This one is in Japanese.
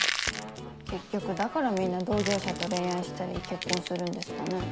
結局だからみんな同業者と恋愛したり結婚するんですかね。